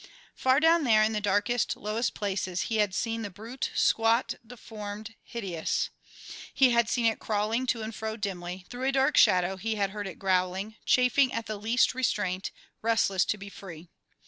Far down there in the darkest, lowest places he had seen the brute, squat, deformed, hideous; he had seen it crawling to and fro dimly, through a dark shadow he had heard it growling, chafing at the least restraint, restless to be free.